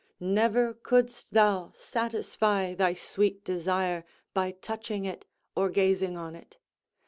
Never couldst thou satisfy thy sweet desire by touching it or gazing on it.